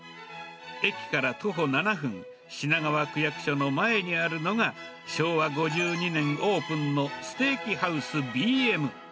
駅から徒歩７分、品川区役所の前にあるのが、昭和５２年オープンのステーキハウスＢ＆Ｍ。